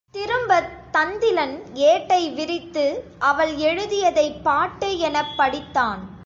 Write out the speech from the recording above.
திரும்பத் தந்திலன் ஏட்டை விரித்து அவள் எழுதியதைப் பாட்டு எனப் படித்தான்.